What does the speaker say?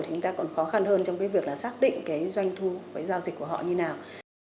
thì chúng ta còn khó khăn hơn trong cái việc là xác định cái doanh thu cái giao dịch của họ như nào